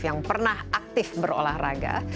yang pernah aktif berolahraga